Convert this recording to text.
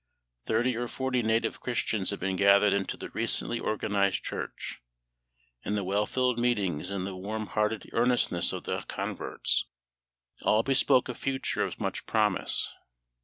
Thirty or forty native Christians had been gathered into the recently organised church; and the well filled meetings, and the warm hearted earnestness of the converts, all bespoke a future of much promise.